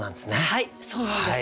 はいそうなんです。